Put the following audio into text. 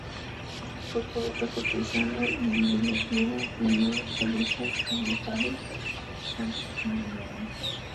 Fue poeta cortesano y elogió al primer califa almohade Abd al-Munin.